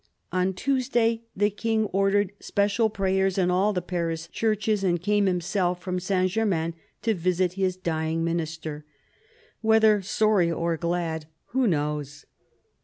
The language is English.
On Tuesday the King ordered special prayers in all the Paris churches, and came himself from Saint Germain to visit his dying Minister. Whether sorry or glad, who knows